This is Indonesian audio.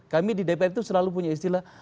kami di dpr itu selalu punya istilah